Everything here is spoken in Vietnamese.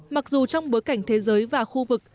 mặc dù trong bối cảnh thế giới và khu vực